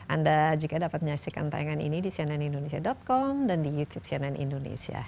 anda juga dapat menyaksikan tayangan ini di cnnindonesia com dan di youtube cnn indonesia